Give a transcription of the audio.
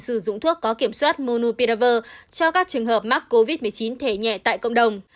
sử dụng thuốc có kiểm soát monu piraver cho các trường hợp mắc covid một mươi chín thể nhẹ tại cộng đồng